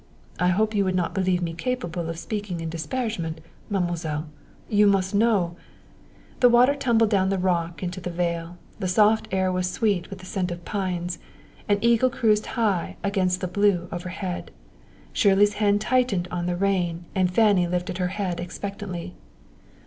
I hope you would not believe me capable of speaking in disparagement, Mademoiselle, you must know " The water tumbled down the rock into the vale; the soft air was sweet with the scent of pines. An eagle cruised high against the blue overhead. Shirley's hand tightened on the rein, and Fanny lifted her head expectantly.